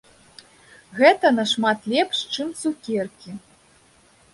Гэта нашмат лепш, чым цукеркі.